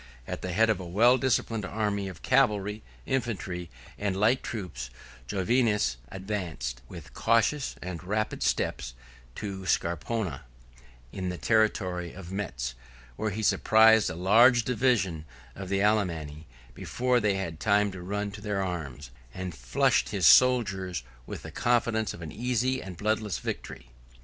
At the head of a well disciplined army of cavalry, infantry, and light troops, Jovinus advanced, with cautious and rapid steps, to Scarponna, 90 9011 in the territory of Metz, where he surprised a large division of the Alemanni, before they had time to run to their arms; and flushed his soldiers with the confidence of an easy and bloodless victory.